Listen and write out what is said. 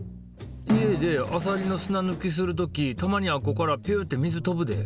家であさりの砂ぬきする時たまにあっこからピュって水飛ぶで。